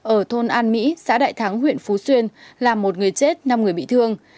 ở thôn an mỹ xã đại thắng huyện phú xuyên làm một người chết năm người bị thương